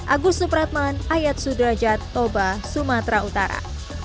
agus supratman ayat sudrajat toba sumatera utara